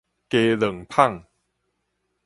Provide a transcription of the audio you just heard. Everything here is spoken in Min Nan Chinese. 雞卵麭